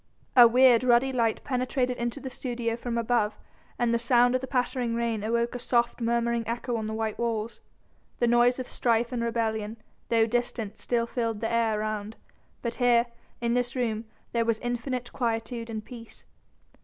A weird, ruddy light penetrated into the studio from above and the sound of the pattering rain awoke a soft, murmuring echo on the white walls. The noise of strife and rebellion, though distant, still filled the air around, but here, in this room, there was infinite quietude and peace.